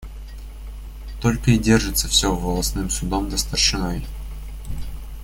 Только и держится всё волостным судом да старшиной.